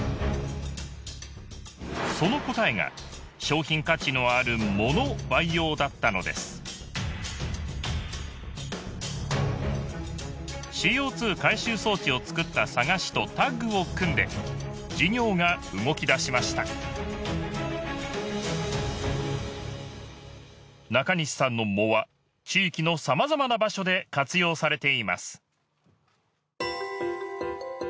その答えが商品価値のある藻の培養だったのです ＣＯ２ 回収装置を作った佐賀市とタッグを組んで事業が動き出しました中西さんの藻は地域のさまざまな場所で活用されています